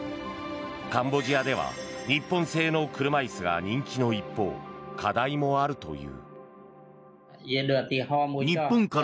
カンボジアでは日本製の車椅子が人気の一方課題もあるという。